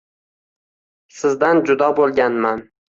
Sizdan judo boʻlganman